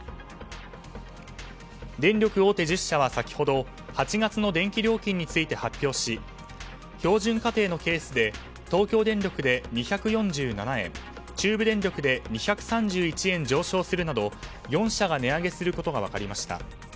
電力大手１０社は先ほど８月の電気料金について発表し標準家庭のケースで東京電力で２４７円中部電力で２３１円、上昇するなど４社が値上げすることが分かりました。